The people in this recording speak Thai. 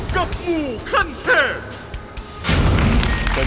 กับมูขั้นแทน